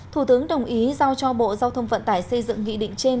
thủ tướng đồng ý giao cho bộ giao thông vận tải xây dựng nghị định trên